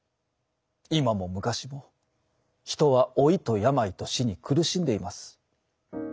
今も昔も人は老いと病と死に苦しんでいます。